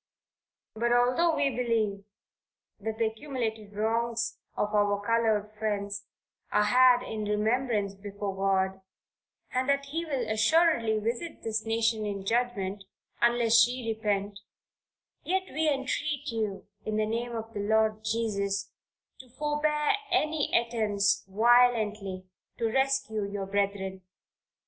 But although we believe that the accumulated wrongs of our colored friends are had in remembrance before God, and that he will assuredly visit this nation in judgment unless she repent, yet we entreat you in the name of the Lord Jesus, to forbear any attempts violently to rescue your brethren.